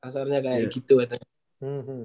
asalnya kayak gitu katanya